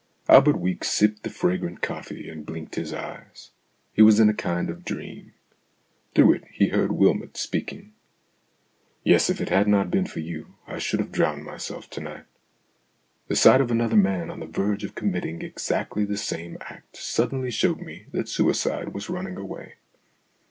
Albert Weeks sipped the fragrant coffee and blinked his eyes ; he was in a kind of dream. Through it he heard Wylmot speaking. " Yes, if it had not been for you, I should have drowned myself to night. The sight of another man on the verge of committing exactly the same act suddenly showed me that suicide was running away.